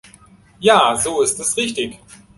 Ja so ist es richtig!